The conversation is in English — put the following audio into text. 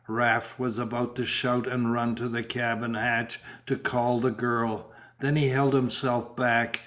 Raft was about to shout and run to the cabin hatch to call the girl. Then he held himself back.